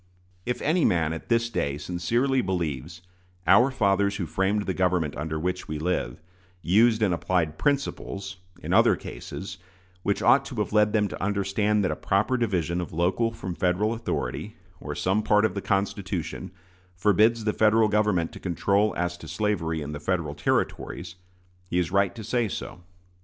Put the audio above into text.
If any man at this day sincerely believes "our fathers who framed the government under which we live" used and applied principles, in other cases, which ought to have led them to understand that a proper division of local from Federal authority, or some part of the Constitution, forbids the Federal Government to control as to slavery in the Federal Territories, he is right to say so.